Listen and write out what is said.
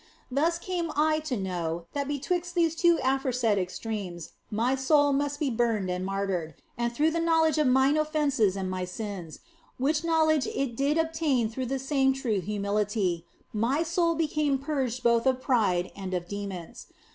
Thus came I to know that betwixt those two aforesaid extremes my soul must be burned and martyred, and through the knowledge of mine offences and my sins (which knowledge it did obtain through that same true humility) my soul became purged both of pride and of demons.